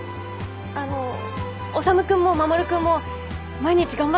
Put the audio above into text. あの修君も守君も毎日頑張ってるでしょ？